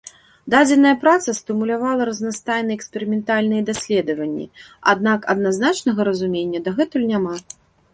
Дадзеная праца стымулявала разнастайныя эксперыментальныя даследаванні, аднак адназначнага разумення дагэтуль няма.